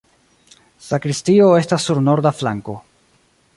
Sakristio estas sur norda flanko.